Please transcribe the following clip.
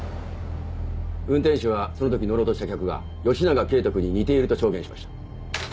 運転手はその時乗ろうとした客が吉長圭人君に似ていると証言しました。